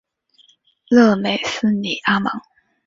勒梅斯尼阿芒。